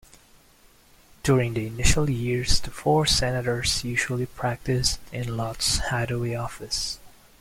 During the initial years, the four Senators usually practiced in Lott's hideaway office.